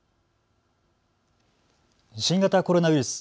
新型コロナウイルス。